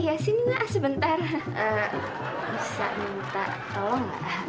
iya sini mbak sebentar eh bisa minta tolong nggak